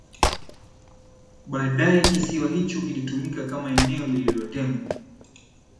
Baadae kisiwa hicho kilitumika kama eneo lilotengwa